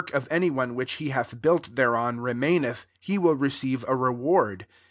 275 f any one which he hath built hereon, remaineth, he will re eive a reward.